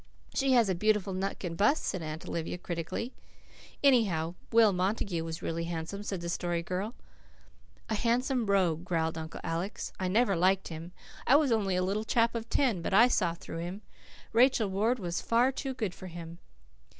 "She has a beautiful neck and bust," said Aunt Olivia critically. "Anyhow, Will Montague was really handsome," said the Story Girl. "A handsome rogue," growled Uncle Alec. "I never liked him. I was only a little chap of ten but I saw through him. Rachel Ward was far too good for him."